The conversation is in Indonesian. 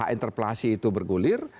interpelasi itu bergulir